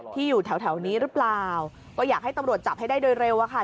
ที่อยู่แถวนี้หรือเปล่าอยากให้ตำรวจจับได้เร็วเดี๋ยวเแล้วนะคะ